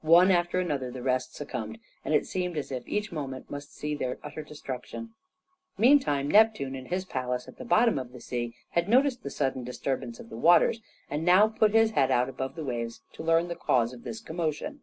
One after another the rest succumbed, and it seemed as if each moment must see their utter destruction. Meantime Neptune in his palace at the bottom of the sea had noticed the sudden disturbance of the waters, and now put out his head above the waves to learn the cause of this commotion.